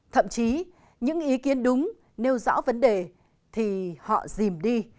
thậm chí những ý kiến đúng nêu rõ vấn đề thì họ dìm đi